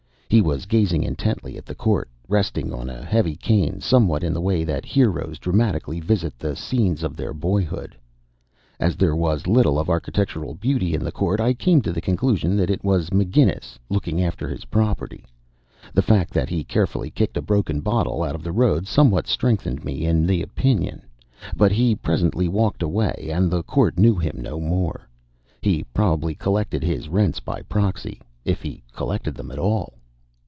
He was gazing intently at the court, resting on a heavy cane, somewhat in the way that heroes dramatically visit the scenes of their boyhood. As there was little of architectural beauty in the court, I came to the conclusion that it was McGinnis looking after his property. The fact that he carefully kicked a broken bottle out of the road somewhat strengthened me in the opinion. But he presently walked away, and the court knew him no more. He probably collected his rents by proxy if he collected them at all.